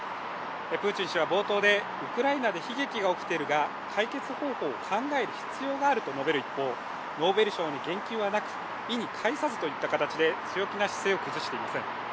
プーチン氏は冒頭で、ウクライナで悲劇が起きているが解決方法を考える必要があると述べる一方ノーベル賞に言及はなく意に介さずという形で強気な姿勢を崩していません。